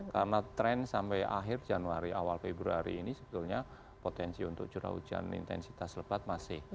karena tren sampai akhir januari awal februari ini sebetulnya potensi untuk curah hujan intensitas lebat masih